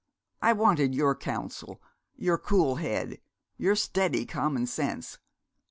I wanted your counsel, your cool head, your steady common sense.